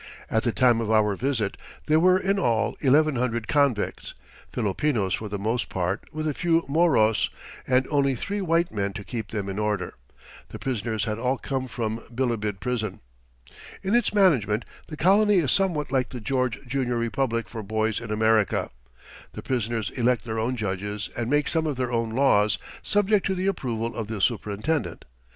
At the time of our visit there were in all eleven hundred convicts Filipinos for the most part, with a few Moros and only three white men to keep them in order. The prisoners had all come from Bilibid prison. In its management, the colony is somewhat like the George Junior Republic for boys in America. The prisoners elect their own judges and make some of their own laws, subject to the approval of the superintendent.